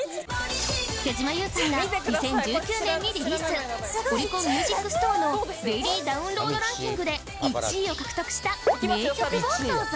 手島優さんがオリコンミュージックストアのデイリーダウンロードランキングで１位を獲得した迷曲をどうぞ